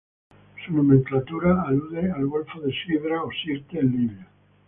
Su nomenclatura alude al golfo de Sidra o Sirte, en Libia.